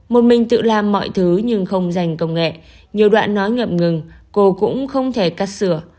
một mình tự làm mọi thứ nhưng không dành công nghệ nhiều đoạn nói ngậm ngừng cô cũng không thể cắt sửa